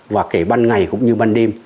và kể ban ngày cũng như ban đêm